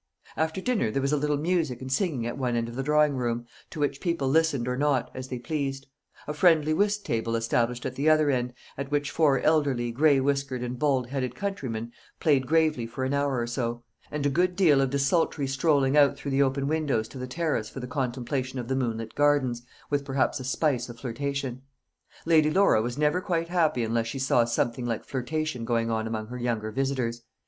After dinner there was a little music and singing at one end of the drawing room, to which people listened or not, as they pleased; a friendly whist table established at the other end, at which four elderly, grey whiskered, and bald headed country gentlemen played gravely for an hour or so; and a good deal of desultory strolling out through the open windows to the terrace for the contemplation of the moonlit gardens, with perhaps a spice of flirtation. Lady Laura was never quite happy unless she saw something like flirtation going on among her younger visitors.